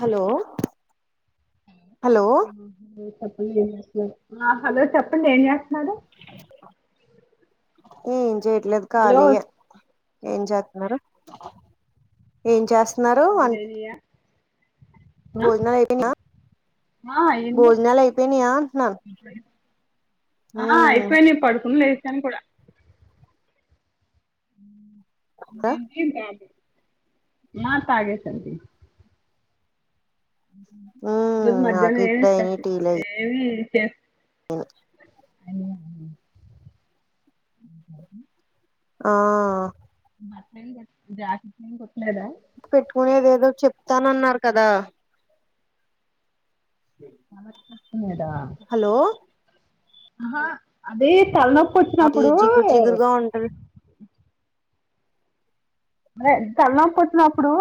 Hello hello. ఆ hello చెప్పండి ఏం చేస్తున్నరు. ఏం చేయట్లేదు హలో కాలియే. ఏం చేతనరు ఏం చేస్తున్నారు వన్. లేనియా ఆ అయిపోయినా ఆ ఏంది. భోజనాలు అయిపోయినాయా అంటున్నాను ఆ అయిపోయింది పడుకునీ లేసాను కూడ. ఆ తాగేసండి. అద్ ఉమ్ నాకు మధ్యానం ఏం ఇప్పుడు ఇసుకోచ్ ఏమి చేస్. అ ఆ. అట్లెం లేదు జాకిట్లేం కుట్టలేద. పెట్టుకునేదేదో ఏదో చెప్తానన్నారు కదా. హలో ఆహా అది తలనొప్పి. అది పోచ్చున్నప్పుడు. జిగురు జిగురుగా ఉంటది. అరే తలనొప్పివచిన్నపుడు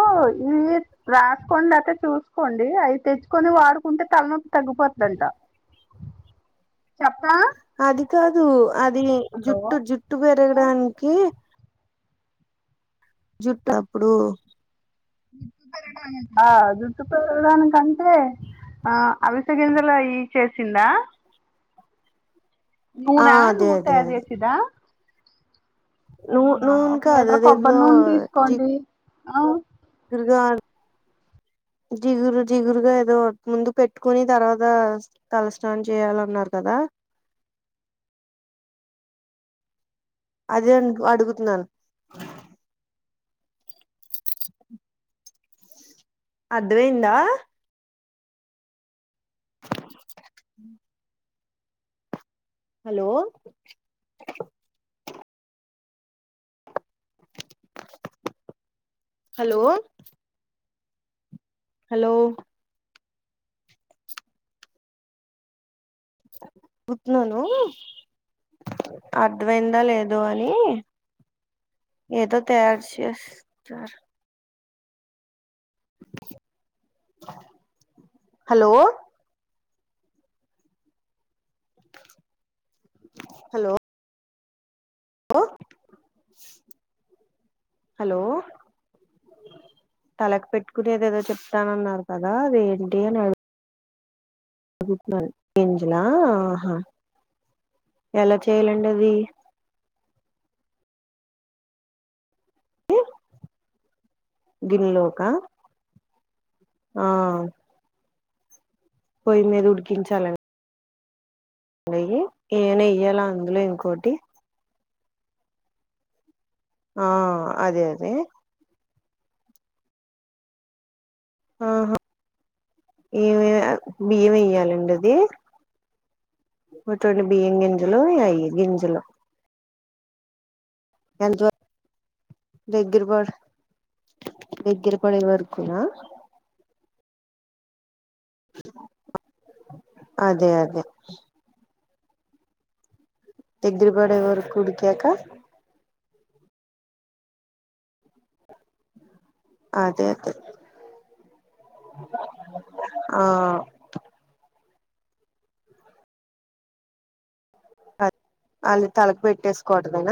ఇవి. రాసుకోండి ఐతే చూసుకోండి అవి తెచ్చుకొని వాడుకుంటే తలనొప్పి తగ్గిపోదంట. చెప్నా. అది కాదు అది జుట్టు జుట్టు పెరగడానికి. జట్టు అప్పుడు. ఆ జుట్టు పెరగడానికి అంటే. ఆ అవిసగింజలో అయి ఈ చేసిందా! ఆ నునా అదే నూనె అదే తయారు అదే చేసిద్దా నూ ఆ నూనె ఒక కాదు లీటర్ కొబ్బరి అదేదో నూనె తీసుకోండి ఆ దుర్గాన్ జిగురు జిగురుగా ఏదో ముందు పెట్టుకొని తర్వాత తలస్నానం జేయాలన్నారు కదా అదే ఎందుక్ అడుగుతున్నాను. అర్థమైందా! హలో! హలో! హలో! బుత్నున్నను. అర్థమైందా లేదో అని ఏదో తయారు చేస్తున్నారు. హలో! హలో! లో హలో! తలక్ పెట్టుకునే ఏదేదో చెప్తానన్నారు కదా అదేంటి అని అడ్ గుడ్ మార్నింగ్ ఏంజలా ఆహా ఎలా చేయాలండి అది గిల్లోకా ఆ పోయి మీద ఉడికించాలన్ నెయ్యి తేనె ఇయ్యాల అందులో ఇంకోటి ఆ అదే అదే ఆహా ఏమే బియ్యం ఎయ్యాలండి అది ముతోని బియ్యం గింజలు ఇగ అయి గింజలు ఎంత దు దగ్గర పడే దగ్గర పడే వరకునా అ అదే అదే దగ్గర బడేవరకు ఉడికాక అదే అదే ఆ ఆల్లీ తలకుపెట్టేసుకోవటమేన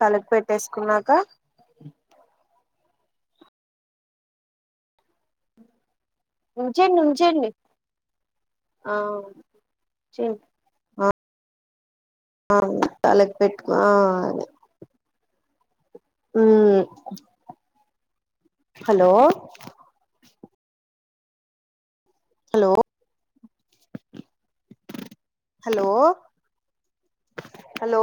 తలకు పెట్టేసుకున్నాక ఉంచడి ఉంచడి ఆ చేమ్ ఆ తలక్ పెట్టుకో ఆ అదే ము హలో! హలో! Hello hello